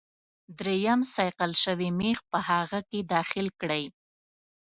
دریم صیقل شوی میخ په هغه کې داخل کړئ.